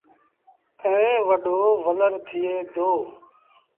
ائيٚݩ وڏو ولر ٿئي دو ۔